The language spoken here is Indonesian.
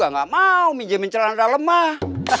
mamang juga gak mau minjemin celana dalam mah